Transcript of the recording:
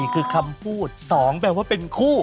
คือคำพูด๒แปลว่าเป็นคู่